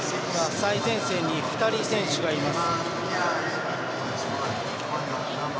最前線に２人選手がいます。